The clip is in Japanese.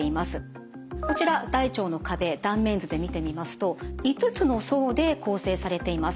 こちら大腸の壁断面図で見てみますと５つの層で構成されています。